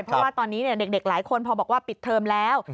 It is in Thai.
เพราะว่าตอนนี้เด็กหลายคนพอบอกว่าปิดเทอมแล้ว